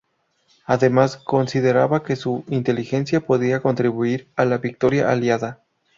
Además, consideraba que su inteligencia podía contribuir a la victoria aliada.